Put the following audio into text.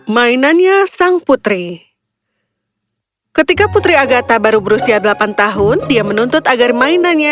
mainannya sang putri